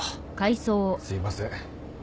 すいません。